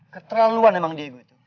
keterlaluan emang diego itu